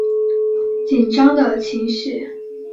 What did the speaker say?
紧张的情绪